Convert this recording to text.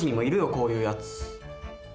こういうやつ。